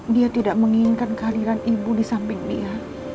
dia tidak menginginkan kehadiran ibu di samping dia